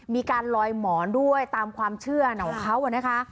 มีการลอยหมอนด้วยตามความเชื่อของเขานะคะ